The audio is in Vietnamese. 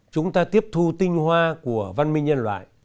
chúng ta tiếp thu tinh hoa của văn minh nhân loại